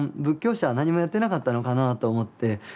仏教者は何もやってなかったのかなあと思って。